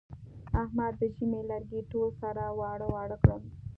احمد د ژمي لرګي ټول سره واړه واړه کړل.